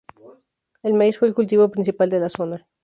El maíz fue el cultivo principal de la zona.